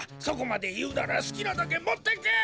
そこまでいうならすきなだけもっていけ！